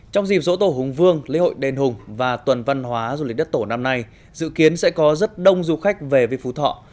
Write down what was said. trong dịp dỗ tổ hùng vương lễ hội đền hùng và tuần văn hóa du lịch đất tổ năm nay dự kiến sẽ có rất đông du khách về với phú thọ